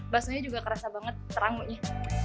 bakso juga kerasa banget rangunya